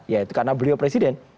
ya itu karena beliau presiden